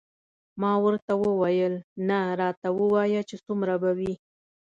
ما ورته وویل نه راته ووایه چې څومره به وي.